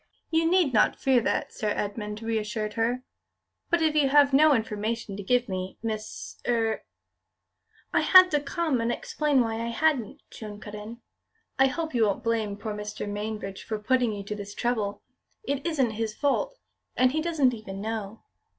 "You need not fear that," Sir Edmund reassured her; "but if you have no information to give me, Miss er " "I had to come and explain why I hadn't," Joan cut in. "I hope you won't blame poor Mr. Mainbridge for putting you to this trouble. It isn't his fault, and he doesn't even know."